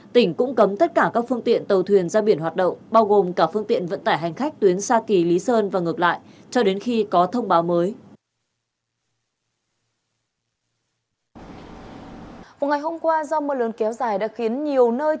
tỉnh cũng cấm tất cả các phương tiện tàu thuyền ra biển hoạt động bao gồm cả phương tiện vận tải hành khách tuyến sa kỳ lý sơn và ngược lại cho đến khi có thông báo mới